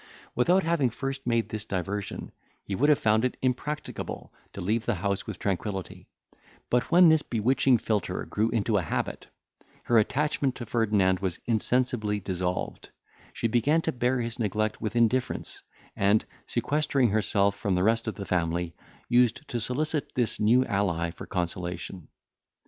Without having first made this diversion, he would have found it impracticable to leave the house with tranquillity; but, when this bewitching philtre grew into an habit, her attachment to Ferdinand was insensibly dissolved; she began to bear his neglect with indifference, and, sequestering herself from the rest of the family, used to solicit this new ally for consolation.